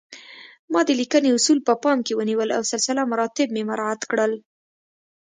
ما د لیکنې اصول په پام کې ونیول او سلسله مراتب مې مراعات کړل